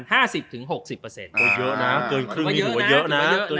เยอะนะเกินครึ่งที่หัวเยอะนะ